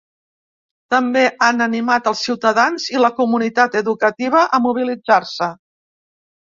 També han animat els ciutadans i la comunitat educativa a mobilitzar-se.